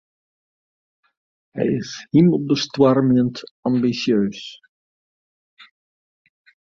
Hy is himelbestoarmjend ambisjeus.